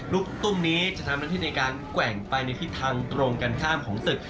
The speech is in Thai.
ลูกตุ้มนี้จะทำหน้าที่ในการแกว่งไปในทิศทางตรงกันข้ามของตึก